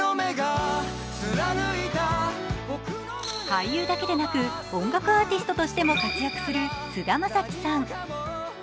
俳優だけでなく音楽アーティストとしても活躍する菅田将暉さん。